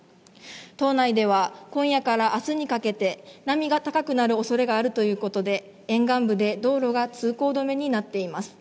島内では、今夜からあすにかけて、波が高くなるおそれがあるということで、沿岸部で道路が通行止めになっています。